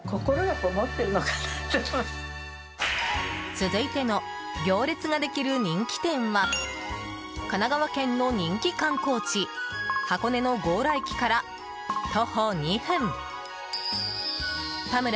続いての行列ができる人気店は神奈川県の人気観光地箱根の強羅駅から徒歩２分田むら